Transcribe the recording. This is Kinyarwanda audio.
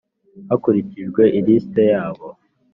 hakurikijwe ilisiti yabo